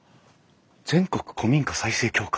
全国古民家再生協会。